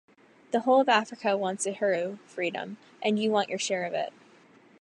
The whole of Africa wants uhuru (freedom) and you want your share of it.